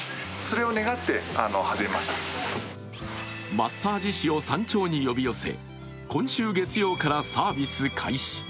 マッサージ師を山頂に呼び寄せ今週月曜からサービス開始。